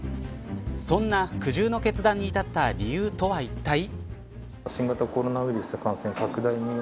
そんな苦渋の決断に至った理由とはいったい。